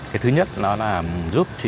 cái thứ nhất nó là giúp chị em